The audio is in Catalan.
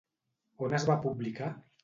On es va publicar?